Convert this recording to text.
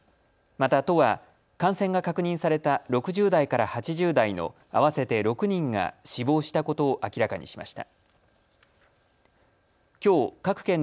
また、都は感染が確認された６０代から８０代の合わせて６人が死亡したことを明らかにしました。